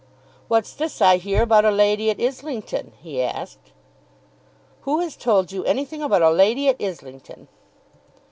"What's this I hear about a lady at Islington?" he asked. "Who has told you anything about a lady at Islington?"